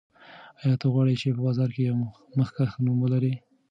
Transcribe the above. آیا ته غواړې چې په بازار کې یو مخکښ نوم ولرې؟